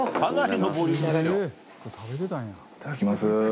いただきます。